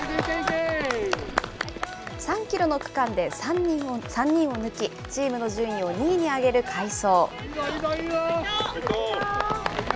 ３キロの区間で３人を抜き、チームの順位を２位に上げる快走。